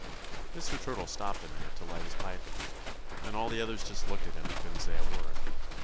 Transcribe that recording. "Mr. Turtle stopped a minute to light his pipe again, and all the others just looked at him and couldn't say a word.